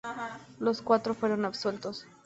Los cuatro fueron absueltos.